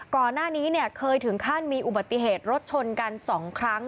ก่อนหน้านี้เนี่ยเคยถึงขั้นมีอุบัติเหตุรถชนกัน๒ครั้ง